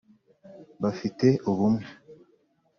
bafite ubumwe